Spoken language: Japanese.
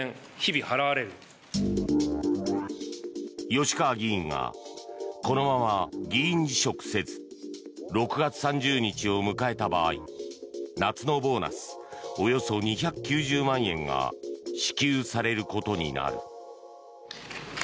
吉川議員がこのまま議員辞職せず６月３０日を迎えた場合夏のボーナスおよそ２９０万円が支給されることになる。